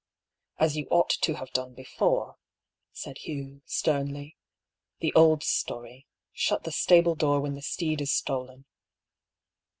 " As you ought to have done before," said Hugh, sternly. "The old story — shut the stable door when the steed is stolen."